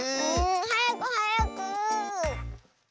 はやくはやく。